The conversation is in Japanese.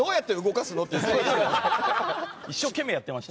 一生懸命やってました。